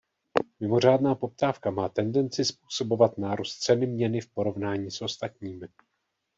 Mimořádná poptávka má tendenci způsobovat nárůst ceny měny v porovnání s ostatními.